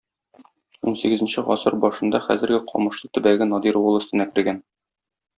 Унсигезенче гасыр башында хәзерге Камышлы төбәге Надир волостенә кергән.